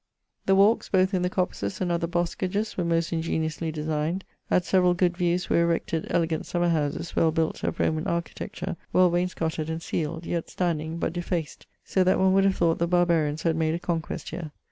The walke, both in the coppices and other boscages, were most ingeniosely designed: at severall good viewes, were erected elegant sommer howses well built of Roman architecture, well wainscotted and cieled; yet standing, but defaced, so that one would have thought the Barbarians had made a conquest here.